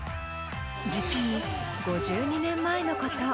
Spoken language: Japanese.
実に５２年前のこと。